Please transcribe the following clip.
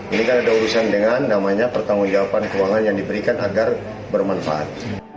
ini kan ada urusan dengan namanya pertanggung jawaban keuangan yang diberikan agar bermanfaat